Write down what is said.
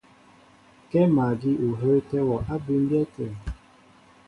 Kɛ́ magí ó hə́ə́tɛ́ wɔ á bʉmbyɛ́ tə̂.